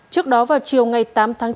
trước đó vào chiều ngày tám tháng chín